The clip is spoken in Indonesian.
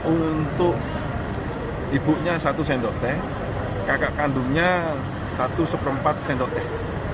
untuk ibunya satu sendok teh kakak kandungnya satu seperempat sendok teh